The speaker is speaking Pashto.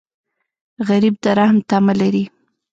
غریب د رحم تمه لري